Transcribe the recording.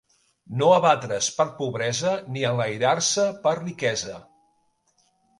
No abatre's per pobresa, ni enlairar-se per riquesa.